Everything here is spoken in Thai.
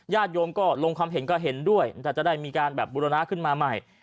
ญาติโยมก็ลงความเห็นก็เห็นด้วยจะได้มีการบุรณาขึ้นมาใหม่